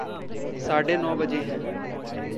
साडे नौ बजे हैं।